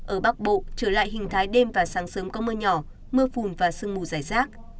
ở bắc bộ trở lại hình thái đêm và sáng sớm có mưa nhỏ mưa phùn và sương mù dài rác